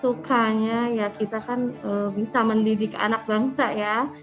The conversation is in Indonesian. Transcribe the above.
sukanya ya kita kan bisa mendidik anak bangsa ya